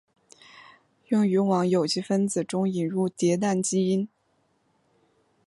用于往有机分子中引入叠氮基团。